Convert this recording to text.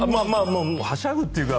はしゃぐというか